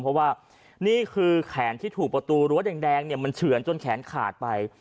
เพราะว่านี่คือแขนที่ถูกประตูรั้วแดงเนี่ยมันเฉือนจนแขนขาดไป